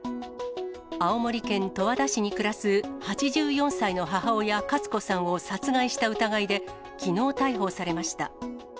青森県十和田市に暮らす８４歳の母親、勝子さんを殺害した疑いで、きのう逮捕されました。